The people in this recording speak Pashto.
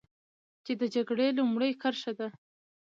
چې د جګړې لومړۍ کرښه ده.